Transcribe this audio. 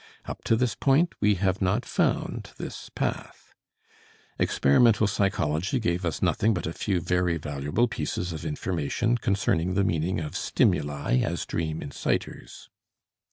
Up to this point we have not found this path. Experimental psychology gave us nothing but a few very valuable pieces of information concerning the meaning of stimuli as dream incitors.